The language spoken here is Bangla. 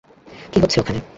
কী হচ্ছে ওখানে?